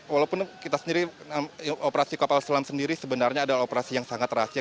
walaupun kita sendiri operasi kapal selam sendiri sebenarnya adalah operasi yang sangat rahasia